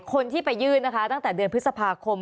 คนที่ไปยื่นนะคะตั้งแต่เดือนพฤษภาคม